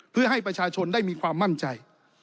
เพื่อให้ประชาชนได้มีความมั่นใจ